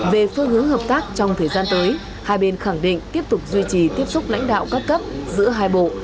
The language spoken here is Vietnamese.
về phương hướng hợp tác trong thời gian tới hai bên khẳng định tiếp tục duy trì tiếp xúc lãnh đạo các cấp giữa hai bộ